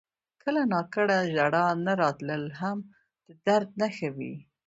• کله ناکله ژړا نه راتلل هم د درد نښه وي.